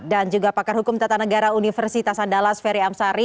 dan juga pakar hukum tata negara universitas andalas ferry amsari